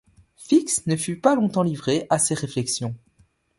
Fix ne fut pas longtemps livré à ses réflexions.